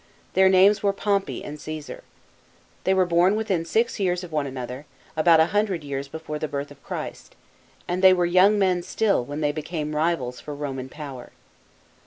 Their names were Pompey and Cfesar. They were born within six years of one another, about a hundred years before the birth of Christ, and they were young men still, when they became" rivals for Roman power.